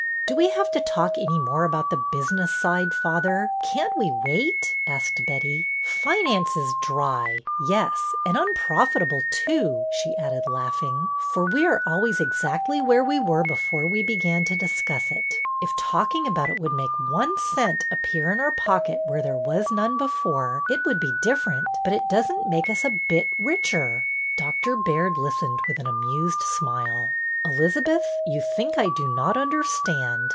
'' Do we have to talk any more about the business side, father? Can't we wait?" asked Betty. Finance is dry, yes, and unprofitable too," she added, laughing, '' for we are always exactly where we were before we began to dis cuss it. If talking about it would make one cent appear in our pocket where there was none be fore, it would be different, but it does n't make us a bit richer." Dr. Baird listened with an amused smile. Elizabeth, you think I do not understand.